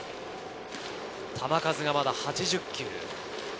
球数がまだ８０球。